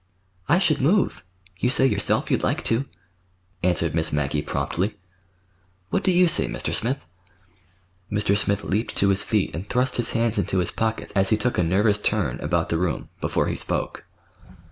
"I should move. You say yourself you'd like to," answered Miss Maggie promptly. "What do you say, Mr. Smith?" Mr. Smith leaped to his feet and thrust his hands into his pockets as he took a nervous turn about the room, before he spoke.